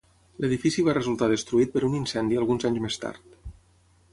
L'edifici va resultar destruït per un incendi alguns anys més tard.